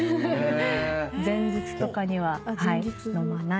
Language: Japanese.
前日とかには飲まない。